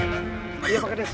iya pak hades